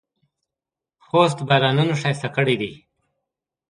خوست بارانونو ښایسته کړی دی.